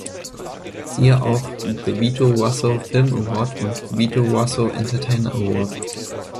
Siehe auch "The Vito Russo Film Award" und "Vito Russo Entertainer Award".